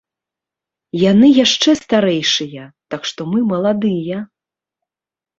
Яны яшчэ старэйшыя, так што мы маладыя!